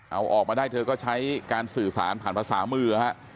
เอาออกมาได้เธอก็ใช้การสื่อสารผ่านภาษามือฮะ